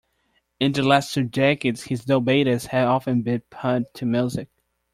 In the last two decades his do-baytis have often been put to music.